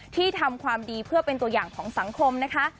ทำความดีเพื่อเป็นตัวอย่างของสังคมนะคะ